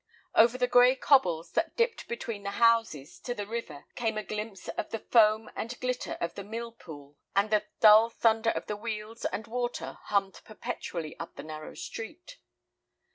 Over the gray cobbles that dipped between the houses to the river came a glimpse of the foam and glitter of the mill pool and the dull thunder of the wheels and water hummed perpetually up the narrow street.